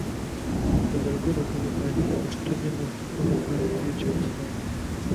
له زرګونو کلونو راهيسې پښتون يم او سلګونو کاله کيږي چې مسلمان يم.